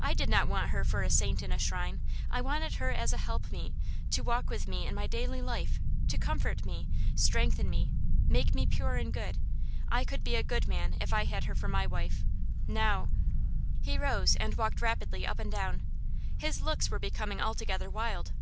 I did not want her for a saint in a shrine I wanted her as a help meet, to walk with me in my daily life, to comfort me, strengthen me, make me pure and good. I could be a good man if I had her for my wife. Now " He rose, and walked rapidly up and down. His looks were becoming altogether wild.